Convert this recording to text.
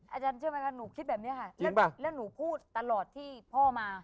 อาจารย์เชื่อไหมคะหนูคิดแบบนี้ค่ะแล้วหนูพูดตลอดที่พ่อมา